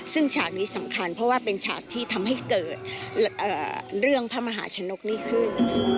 ซึ่งฉากนี้สำคัญเพราะว่าเป็นฉากที่ทำให้เกิดเรื่องพระมหาชนกนี่ขึ้น